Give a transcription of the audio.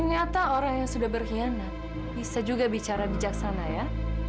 ternyata orang yang sudah berkhianat bisa juga bicara bijaksana ya